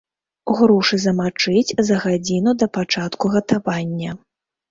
Грушы замачыць за гадзіну да пачатку гатавання.